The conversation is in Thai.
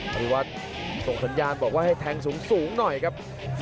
อธิวัฒน์ส่งสัญญาณบอกว่าให้แทงสูงหน่อยครับ